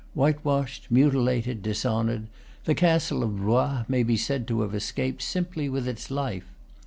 Whitewashed, mutilated, dishonored, the castle of Blois may be said to have escaped simply with its life.